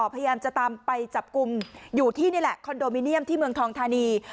พยายามจะตามไปจับกลุ่มอยู่ที่นี่แหละคอนโดมิเนียมที่เมืองทองธานี